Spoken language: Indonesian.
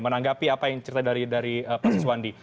menanggapi apa yang cerita dari pak siswandi